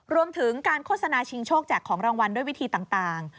รวมถึงการโฆษณาชิงโชคแจกของรางวัลด้วยวิธีต่าง